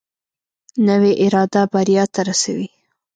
نوې اراده بریا ته رسوي